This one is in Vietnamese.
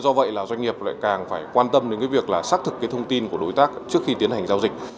do vậy là doanh nghiệp lại càng phải quan tâm đến cái việc là xác thực cái thông tin của đối tác trước khi tiến hành giao dịch